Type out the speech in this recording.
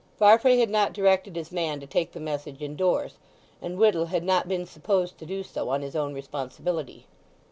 Farfrae had not directed his man to take the message indoors, and Whittle had not been supposed to do so on his own responsibility.